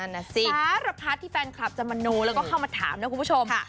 สารพัดที่แฟนคลับจะมโนแล้วก็เข้ามาถามนะคุณผู้ชม